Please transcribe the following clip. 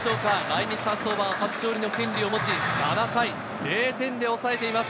来日初登板、初勝利の権利を持ち、７回０点で抑えています。